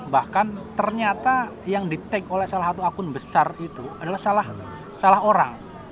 bahkan ternyata yang di take oleh salah satu akun besar itu adalah salah orang